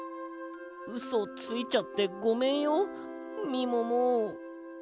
うそついちゃってごめんよみもも。